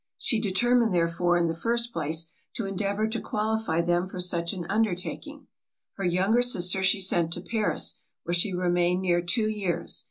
She determined therefore in the first place, to endeavour to qualify them for such an undertaking. Her younger sister she sent to Paris, where she remained near two years.